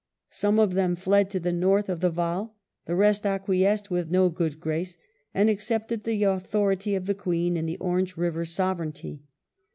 Some of them fled to the north of the Vaal, the rest acquiesced, with no good grace, and accepted the authority of the Queen in the " Orange River Sovereignty